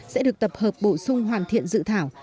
sẽ được tập hợp bổ sung hoàn thiện dự thảo